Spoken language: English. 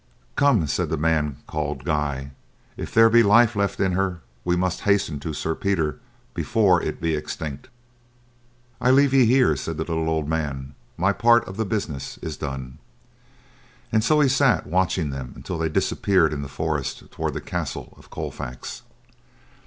"Come," said the man called Guy, "if there be life left in her, we must hasten to Sir Peter before it be extinct." "I leave ye here," said the little old man. "My part of the business is done." And so he sat watching them until they had disappeared in the forest toward the castle of Colfax.